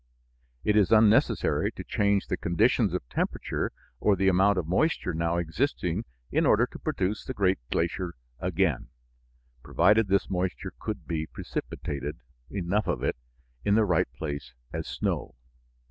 It is unnecessary to change the conditions of temperature or the amount of moisture now existing in order to produce the great glacier again, provided this moisture could be precipitated, enough of it, in the right place as snow.